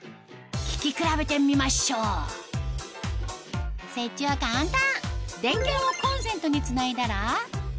聞き比べてみましょう設置は簡単！